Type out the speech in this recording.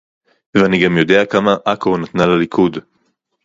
ואני גם יודע כמה עכו נתנה לליכוד